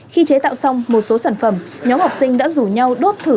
khi chế tạo xong một số sản phẩm nhóm học sinh đã rủ nhau đốt thử